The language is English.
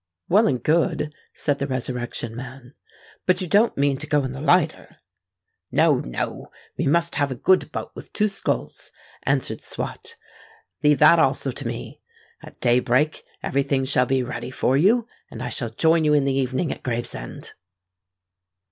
"Well and good," said the Resurrection Man. "But you don't mean to go in the lighter?" "No—no: we must have a good boat with two sculls," answered Swot. "Leave that also to me. At day break every thing shall be ready for you; and I shall join you in the evening at Gravesend."